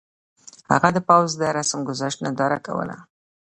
هغه د پوځ د رسم ګذشت ننداره کوله.